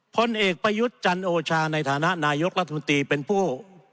พลเอกประยุทธ์จันโอชาในฐานะนายกรัฐมนตรีเป็นผู้